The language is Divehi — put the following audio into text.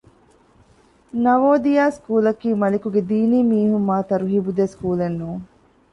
ނަވޯދިޔާ ސްކޫލަކީ މަލިކުގެ ދީނީމީހުން މާ ތަރުހީބުދޭ ސްކޫލެއް ނޫން